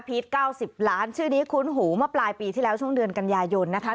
๙๐ล้านชื่อนี้คุ้นหูเมื่อปลายปีที่แล้วช่วงเดือนกันยายนนะคะ